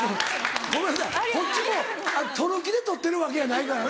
ごめんなさいこっちも取る気で取ってるわけやないからな。